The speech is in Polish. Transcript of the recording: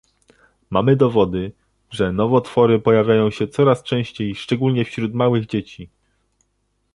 Mamy dowody, że nowotwory pojawiają się coraz częściej szczególnie wśród małych dzieci